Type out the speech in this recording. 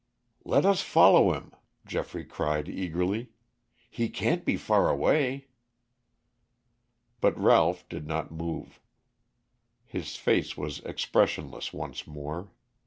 "Let us follow him," Geoffrey cried eagerly. "He can't be far away!" But Ralph did not move. His face was expressionless once more.